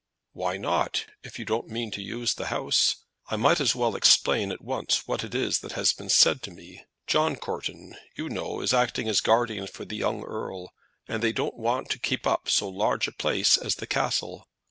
"Why not, if you don't mean to use the house? I might as well explain at once what it is that has been said to me. John Courton, you know, is acting as guardian for the young earl, and they don't want to keep up so large a place as the Castle.